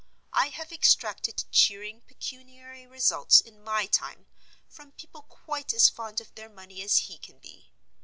I have extracted cheering pecuniary results in my time from people quite as fond of their money as he can be.